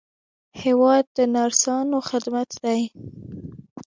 هېواد د نرسانو خدمت دی.